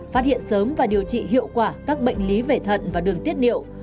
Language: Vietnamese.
phát hiện sớm và điều trị hiệu quả các bệnh lý về thận và đường tiết niệu